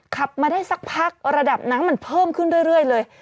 ขับมาได้สักพักระดับน้ำมันเพิ่มขึ้นเรื่อยเลย